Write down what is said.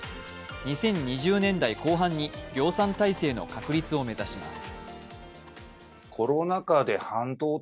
２０２０年代後半に量産体制の確立を目指します。